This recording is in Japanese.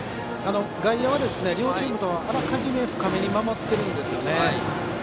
外野は両チームともあらかじめ深めに守っているんですね。